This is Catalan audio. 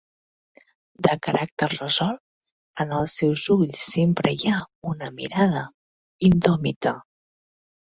De caràcter resolt, en els seus ulls sempre hi ha una mirada indòmita.